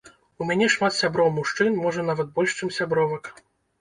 У мяне шмат сяброў-мужчын, можа, нават больш, чым сябровак.